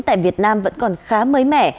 tại việt nam vẫn còn khá mới mẻ